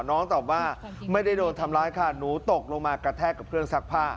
ตอบว่าไม่ได้โดนทำร้ายค่ะหนูตกลงมากระแทกกับเครื่องซักผ้า